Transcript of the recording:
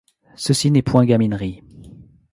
Ceci n'est point gaminerie.